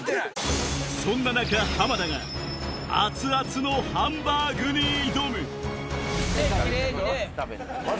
そんな中浜田が熱々のハンバーグに挑むおっ！